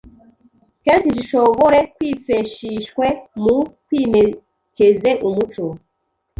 kendi zishobore kwifeshishwe mu kwimekeze umuco